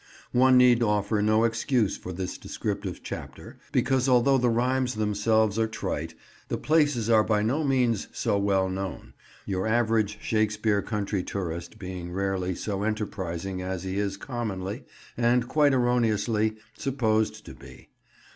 One need offer no excuse for this descriptive chapter, because although the rhymes themselves are trite, the places are by no means so well known; your average Shakespeare Country tourist being rarely so enterprising as he is commonly—and quite erroneously—supposed to be.